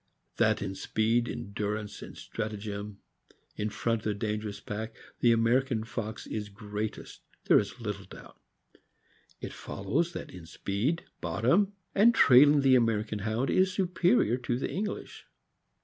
That in speed, endurance, and stratagem, in front of a dangerous pack, the American fox is greatest, there is little doubt. It follows that in speed, bottom, a/id trailing the American Hound is superior to the English.